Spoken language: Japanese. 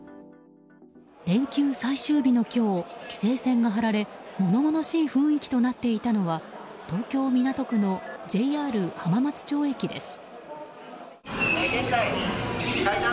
連休最終日の今日規制線が張られ物々しい雰囲気となっていたのは東京・港区のＪＲ浜松町駅です。